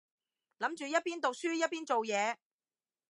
諗住一邊讀書一邊做嘢